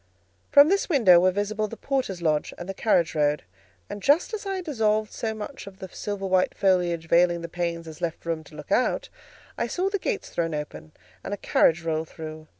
From this window were visible the porter's lodge and the carriage road, and just as I had dissolved so much of the silver white foliage veiling the panes as left room to look out, I saw the gates thrown open and a carriage roll through.